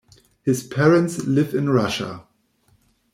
His parents live in Russia.